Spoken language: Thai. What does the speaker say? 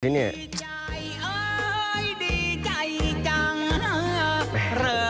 นี่เนี่ย